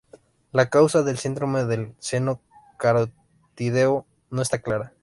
La causa del síndrome del seno carotídeo no está clara.